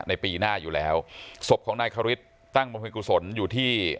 ปีหน้าอยู่แล้วศพของนายคริสตั้งบริเวณกุศลอยู่ที่